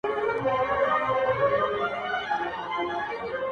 دا ویده پښتون له خوبه پاڅومه-